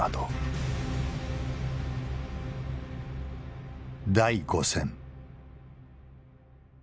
第５戦。